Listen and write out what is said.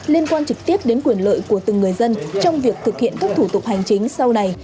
liên quan trực tiếp đến quyền lợi của từng người dân trong việc thực hiện các thủ tục hành chính sau này